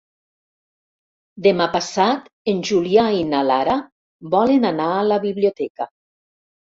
Demà passat en Julià i na Lara volen anar a la biblioteca.